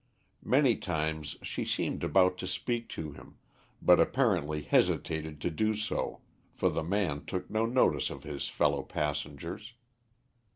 Many times she seemed about to speak to him, but apparently hesitated to do so, for the man took no notice of his fellow passengers.